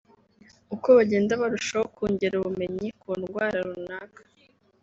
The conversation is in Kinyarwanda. uko bagenda barushaho kongera ubumenyi ku ndwara runaka